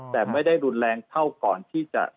แต่ไม่ได้รุนแรงเท่าก่อนที่จะ